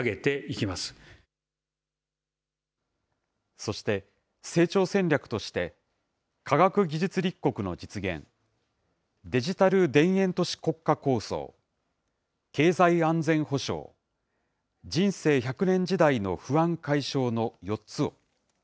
そして、成長戦略として、科学技術立国の実現、デジタル田園都市国家構想、経済安全保障、人生１００年時代の不安解消の４つを。